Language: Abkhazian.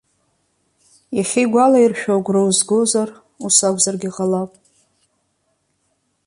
Иахьа игәалаиршәо агәра узгозар, ус акәзаргьы ҟалап.